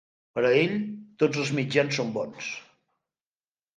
Per a ell tots els mitjans són bons.